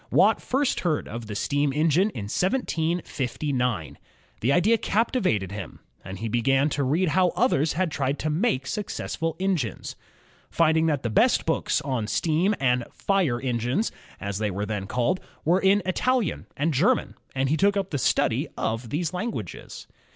Watt first heard of the steam engine in 1759. The idea captivated him, and he began to read how others had tried to make successful engines. Finding that the best books on steam and "fire engines," as they were then called, were in Italian and German, he took up the study of these languages.